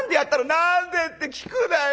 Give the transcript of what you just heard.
「『何で？』って聞くなよ！